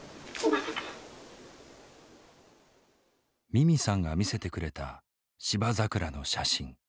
ミミさんが見せてくれたシバザクラの写真。